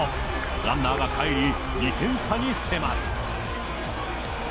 ランナーがかえり、２点差に迫る。